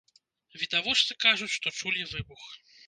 Відавочцы кажуць, што чулі выбух.